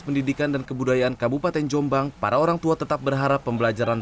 pendidikan dan kebudayaan kabupaten jombang para orang tua tetap berharap pembelajaran